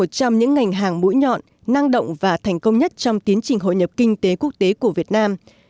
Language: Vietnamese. trong những ngành hàng mũi nhọn năng động và thành công nhất trong tiến trình hội nhập kinh tế quốc tế của việt nam